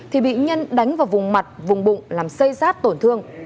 thì bị nhân đánh vào vùng mặt vùng bụng làm xây rát tổn thương